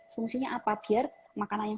fungsinya apa biar makanan yang